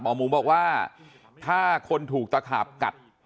หมูบอกว่าถ้าคนถูกตะขาบกัด